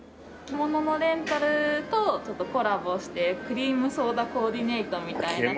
着物のレンタルとコラボしてクリームソーダコーディネートみたいな感じで。